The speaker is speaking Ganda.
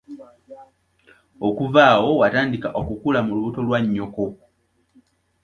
Okuva awo watandika okukula mu lubuto lwa nnyoko.